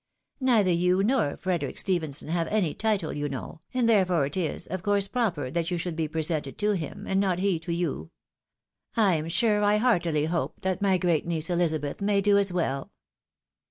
Neither you nor Frederic Stephenson have any title, you know, and therefore it is, of course, proper that you should be presented to him, and not he to you. I am sure I heartily hope that my great niece Elizabeth may do as well.